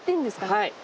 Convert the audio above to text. はい。